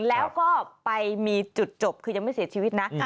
แล้วก็ไปมีจุดจบคือยังไม่เสียชีวิตนะ